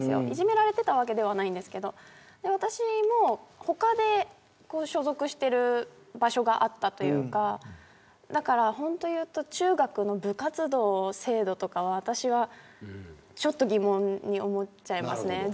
いじめられてたわけではないんですけど私も他で所属している場所があったというかだから本当を言うと中学の部活動制度とかは私はちょっと疑問に思っちゃいますね。